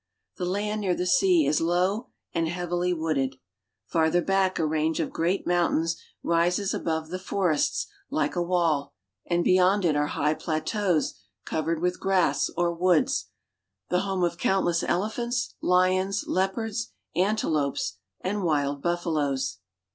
The land near the sea is low and heavily wooded. Farther back a range of great mountains rises above the forests like a wall, and beyond it are high plateaus covered with grass or woods, the home of countless elephants, lions, leopards, antelopes and wild buffaloes.